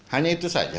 hanya itu saja